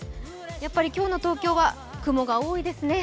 やっぱり今日の東京は雲が多いですね。